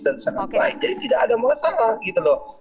dan sangat baik jadi tidak ada masalah